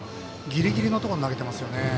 ギリギリのところに投げてますよね。